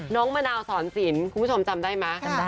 น้องมะนาวสอนศีลคุณผู้ชมจำได้มั้ย